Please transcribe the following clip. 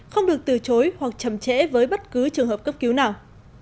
không được từ chối hoặc chầm trễ với bất cứ trường hợp cấp cứu nào